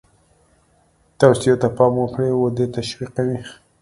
توصیو ته پام وکړو ودې تشویقوي.